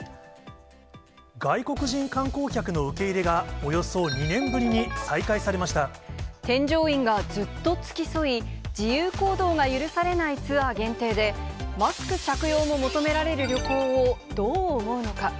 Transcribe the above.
外国人観光客の受け入れが、添乗員がずっと付き添い、自由行動が許されないツアー限定で、マスク着用も求められる旅行をどう思うのか。